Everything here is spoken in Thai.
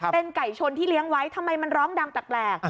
เป็นไก่ชนที่เลี้ยงไว้ทำไมมันร้องดังแปลก